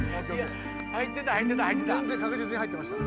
ウ確実に入ってました。